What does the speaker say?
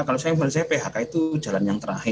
kalau saya menurut saya phk itu jalan yang terakhir